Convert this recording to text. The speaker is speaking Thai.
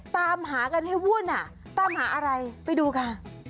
ตามหากันให้วุ่นอ่ะตามหาอะไรไปดูค่ะ